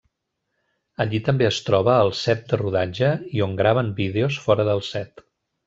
Allí també es troba el set de rodatge i on graven vídeos fora del set.